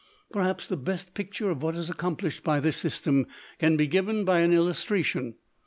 Perhaps the best picture of what is accomplished by this system can be given by an illustration.